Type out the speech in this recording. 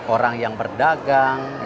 orang yang berdagang